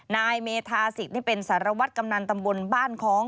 นายเมธาศิกนี่เป็นสารวัตรกำนันตำบลบ้านคล้อง